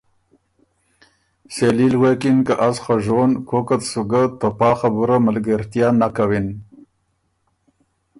سېلي ل غوېکِن که ”از خه ژون کوکت سُو ګۀ ته پا خبُره ملګېرتیا نک کَوِن۔